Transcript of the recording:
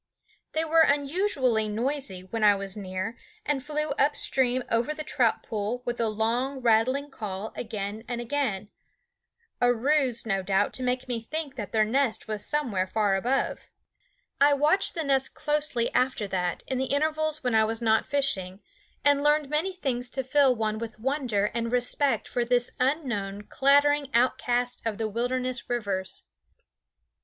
They were unusually noisy when I was near, and flew up stream over the trout pool with a long, rattling call again and again a ruse, no doubt, to make me think that their nest was somewhere far above. [Illustration: "He drove off a mink and almost killed the savage creature"] I watched the nest closely after that, in the intervals when I was not fishing, and learned many things to fill one with wonder and respect for this unknown, clattering outcast of the wilderness rivers.